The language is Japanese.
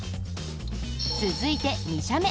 続いて２社目。